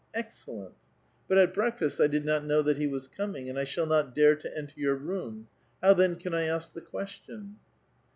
" Excellent ! But at breakfast I did not know that he was coming, and I shall not dare to enter your room ; how then can I ask the question